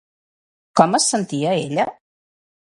Com es sentia ella?